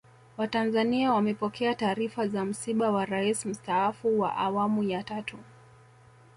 Watanzania wamepokea taarifa za msiba wa Rais Mstaafu wa Awamu ya Tatu